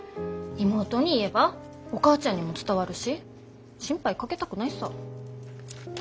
妹に言えばお母ちゃんにも伝わるし心配かけたくないさぁ。